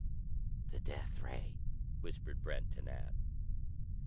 "The death ray!" whispered Brent to Nat.